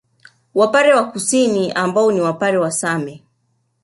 Wapare wa Kusini ambao ni Wapare wa Same